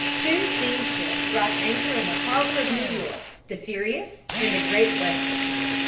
Two steamships dropped anchor in the harbor of New York, the Sirius and the Great Western.